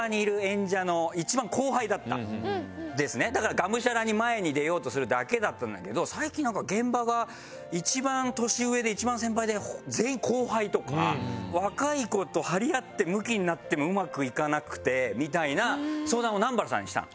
だからがむしゃらに前に出ようとするだけだったんだけど最近現場が一番年上で一番先輩で全員後輩とか若い子と張り合ってムキになってもうまくいかなくてみたいな相談を南原さんにしたの。